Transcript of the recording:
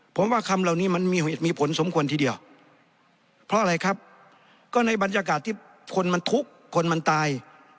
ผมว่าคำเหล่านี้มันมีเหตุมีผลสมควรทีเดียวเพราะอะไรครับก็ในบรรยากาศที่คนมันทุกข์คนมันตาย